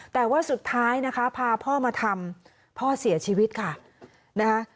แต่ว่าสุดท้ายนะคะพาพ่อมาทำพ่อเสียชีวิตค่ะนะคะ